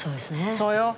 そうよ。